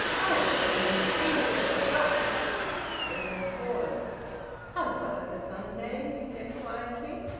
"I've just been in to see you at your shop." Edwin paused. "Hello! The Sunday!" he said quietly.